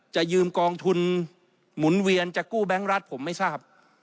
จะยืมกองทุนหมุนเวียนจะกู้แบงค์รัฐผมไม่ทราบ